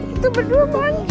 kita berdua manja